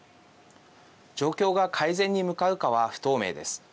状況が改善に向かうかは不透明です。